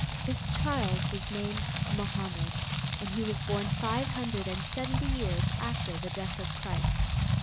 This child was named Mohammed, and he was born five hundred and seventy years after the death of Christ.